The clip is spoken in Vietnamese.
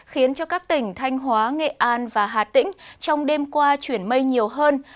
khiến cho các tỉnh thanh hóa nghệ an và hà tĩnh trong đêm qua chuyển mây nhiều hơn